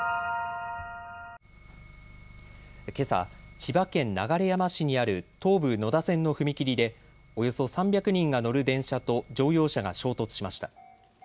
けさ、千葉県流山市にある東武野田線の踏切でおよそ３００人が乗る電車と乗用車が衝突しました。